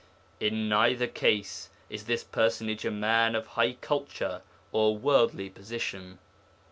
In neither case is this personage a man of high culture or worldly position.